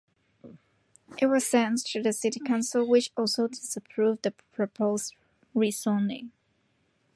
It was sent to the city council which also disapproved the proposed rezoning.